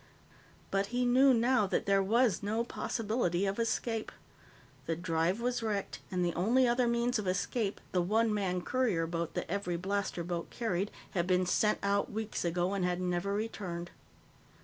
But he knew now that there was no possibility of escape. The drive was wrecked, and the only other means of escape, the one man courier boat that every blaster boat carried, had been sent out weeks ago and had never returned.